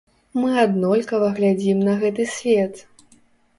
Мы аднолькава глядзім на гэты свет.